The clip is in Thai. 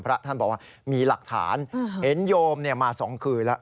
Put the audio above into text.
พระท่านบอกว่ามีหลักฐานเห็นโยมมา๒คืนแล้ว